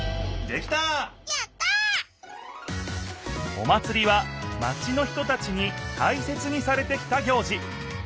お祭りはマチの人たちにたいせつにされてきた行事。